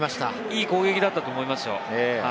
いい攻撃だったと思いますよ。